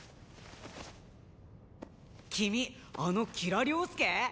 君あの吉良涼介？